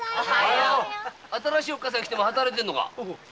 新しいおっかさん来ても働いてんのか？